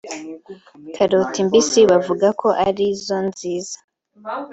Karoti mbisi bavuga ko ari zo nziza